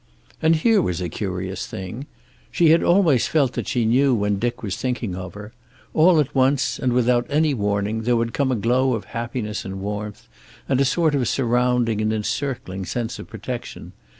And here was a curious thing. She had always felt that she knew when Dick was thinking of her. All at once, and without any warning, there would come a glow of happiness and warmth, and a sort of surrounding and encircling sense of protection.